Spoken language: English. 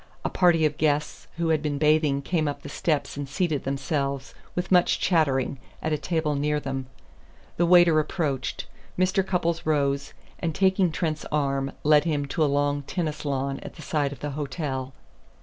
A party of guests who had been bathing came up the steps and seated themselves, with much chattering, at a table near them. The waiter approached. Mr. Cupples rose, and taking Trent's arm led him to a long tennis lawn at the side of the hotel.